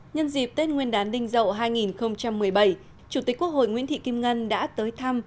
nhân dịp tết nguyên đán đinh dậu hai nghìn một mươi bảy chủ tịch quốc hội nguyễn thị kim ngân đã tới thăm